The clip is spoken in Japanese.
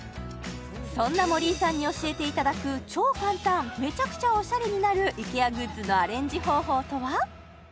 そんな森井さんに教えていただく超簡単めちゃくちゃオシャレになるイケアグッズのアレンジ方法とは？